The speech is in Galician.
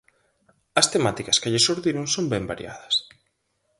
As temáticas que lle xurdiron son ben variadas.